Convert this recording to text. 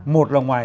một là ngoài